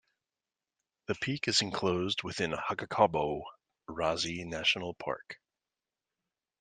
The peak is enclosed within Hkakabo Razi National Park.